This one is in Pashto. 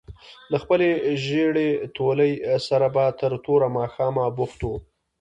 له خپلې ژېړې تولۍ سره به تر توره ماښامه بوخت وو.